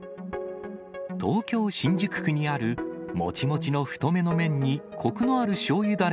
東京・新宿区にある、もちもちの太めの麺にこくのあるしょうゆ